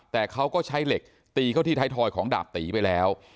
แต่เขาก็ใช้เหล็กตีเข้าที่ไทยทอยของดาบตีไปแล้ว